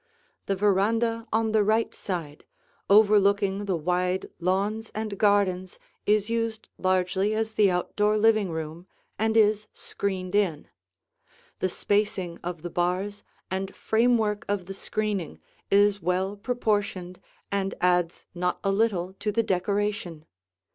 The veranda on the right side overlooking the wide lawns and gardens is used largely as the outdoor living room and is screened in. The spacing of the bars and framework of the screening is well proportioned and adds not a little to the decoration.